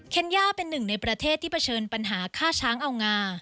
ย่าเป็นหนึ่งในประเทศที่เผชิญปัญหาฆ่าช้างเอางา